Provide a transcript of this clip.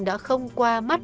đã không qua mắt